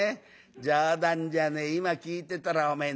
冗談じゃねえ今聞いてたらおめえ